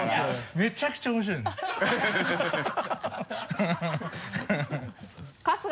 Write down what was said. めちゃくちゃ面白いのよ。